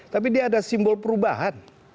tapi dia ada simbol perubahan